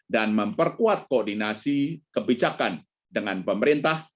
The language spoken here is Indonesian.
dan memperkuat koordinasi kebijakan dengan pemerintah